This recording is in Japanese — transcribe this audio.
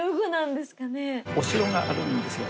お城があるんですよね